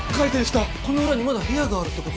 この裏にまだ部屋があるってこと？